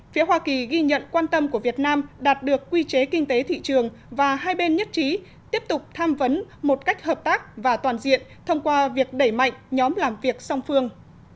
phía hoa kỳ ghi nhận quan tâm của việt nam đạt được quy chế kinh tế thị trường và hai bên nhất trí tiếp tục tham vấn một cách hợp tác và toàn diện thông qua việc đẩy mạnh nhóm làm việc song phương